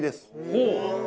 ほう！